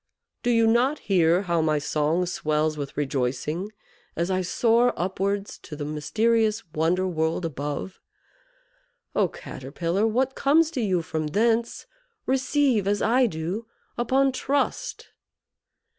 Do you not hear how my song swells with rejoicing as I soar upwards to the mysterious wonder world above? Oh, Caterpillar; what comes to you from thence, receive, as I do, upon trust."